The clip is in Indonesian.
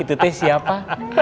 itu teh siapa